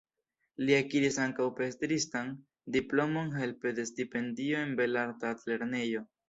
Li akiris ankaŭ pentristan diplomon helpe de stipendio en Belarta Altlernejo.